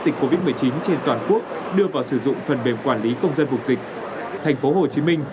dịch covid một mươi chín trên toàn quốc đưa vào sử dụng phần mềm quản lý công dân vùng dịch thành phố hồ chí minh